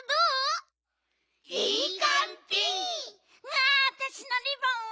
ねえわたしのリボンは？